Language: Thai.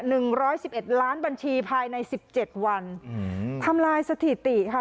หนึ่งร้อยสิบเอ็ดล้านบัญชีภายในสิบเจ็ดวันอืมทำลายสถิติค่ะ